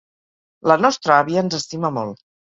La nostra àvia ens estima molt.